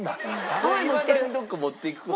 それいまだにどこか持って行く事は？